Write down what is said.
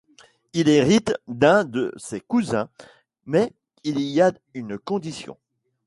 Il hérite d'un de ses cousins, mais il y a une condition.